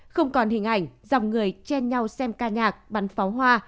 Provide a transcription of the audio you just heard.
không còn hình ảnh dòng người chen nhau xem ca nhạc bắn pháo hoa